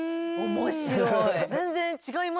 面白い！